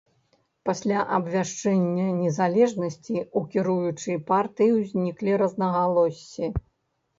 Пасля абвяшчэння незалежнасці, у кіруючай партыі ўзніклі рознагалоссі.